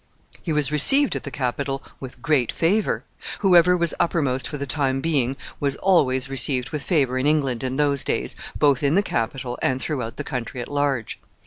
He was received at the capital with great favor. Whoever was uppermost for the time being was always received with favor in England in those days, both in the capital and throughout the country at large.